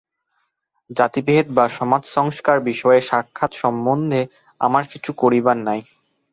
জাতিভেদ বা সমাজসংস্কার-বিষয়ে সাক্ষাৎ সম্বন্ধে আমার কিছু করিবার নাই।